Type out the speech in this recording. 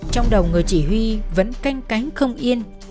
trong đầu người chỉ huy vẫn canh cánh không yên